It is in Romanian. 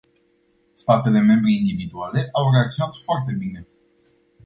Statele membre individuale au reacționat foarte bine.